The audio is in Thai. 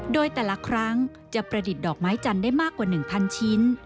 โดยแต่ละครั้งจะประดิษฐ์ดอกไม้จันทร์ได้มากกว่า๑๐๐ชิ้น